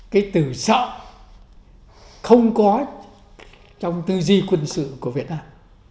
cái từ sợ không có trong tư di quân sự của việt nam